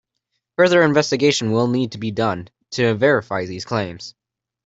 Further investigation will need to be done to verify these claims.